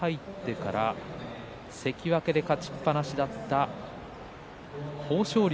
後半に入ってから関脇で勝ちっぱなしだった豊昇龍